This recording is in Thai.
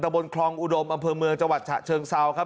บนคลองอุดมอำเภอเมืองจังหวัดฉะเชิงเซาครับ